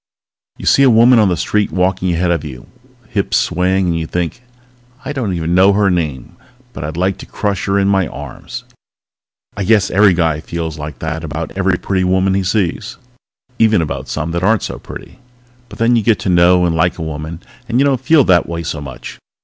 _ _You see a woman on the street walking ahead of you, hips swaying, and you think: I don't even know her name but I'd like to crush her in my arms!_ _I guess every guy feels like that about every pretty woman he sees. Even about some that aren't so pretty. But then you get to know and like a woman, and you don't feel that way so much.